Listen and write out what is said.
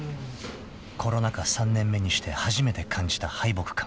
［コロナ禍３年目にして初めて感じた敗北感］